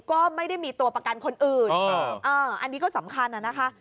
ก็ไม่ได้มีตัวประกันคนอื่นอันนี้ก็สำคัญนะคะ